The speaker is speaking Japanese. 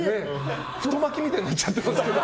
太巻きみたいになっちゃってる。